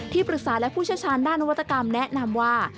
ปรึกษาและผู้เชี่ยวชาญด้านนวัตกรรมแนะนำว่า